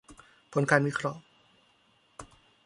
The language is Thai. ผลการวิเคราะห์